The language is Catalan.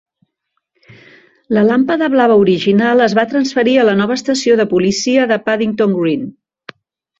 La làmpada blava original es va transferir a la nova estació de policia de Paddington Green.